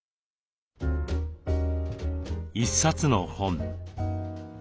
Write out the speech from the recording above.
一冊の本。